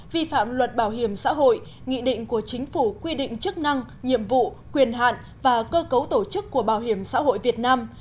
vi phạm luật bảo hiểm xã hội nghị định của chính phủ quy định chức năng nhiệm vụ quyền hạn và cơ cấu tổ chức của bảo hiểm xã hội việt nam